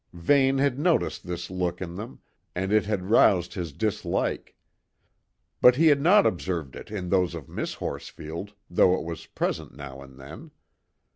Vane had noticed this look in them, and it had roused his dislike; but he had not observed it in those of Miss Horsfield, though it was present now and then.